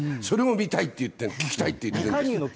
それを見たいって言ってる、聞きたいって言ってるんです。